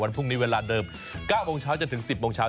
วันพรุ่งนี้เวลาเดิม๙โมงเช้า